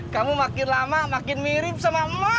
kamu makin lama makin mirip sama emak